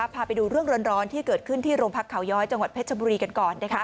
พาไปดูเรื่องร้อนที่เกิดขึ้นที่โรงพักเขาย้อยจังหวัดเพชรบุรีกันก่อน